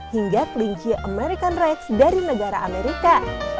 hingga kelinci american rights dari negara amerika